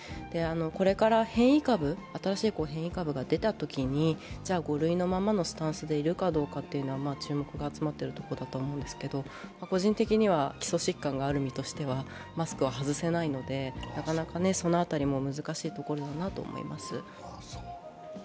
これから新しい変異株が出たときにじゃ５類のままのスタンスでいるかというのは注目が集まっているところだと思うのですが個人的には基礎疾患がある身としてはマスクは外せないので、なかなかその辺りも難しいところだなと思います。